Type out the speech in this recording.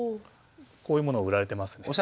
こういうものが売られてますね。